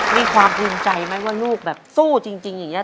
มีความภูมิใจไหมว่าลูกแบบสู้จริงอย่างนี้